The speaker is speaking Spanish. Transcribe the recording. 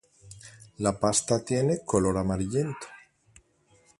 La pasta tiene color amarillento.